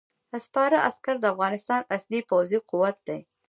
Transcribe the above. سپاره عسکر د افغانستان اصلي پوځي قوت دی.